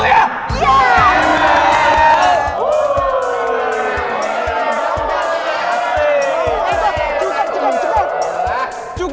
cukup cukup cukup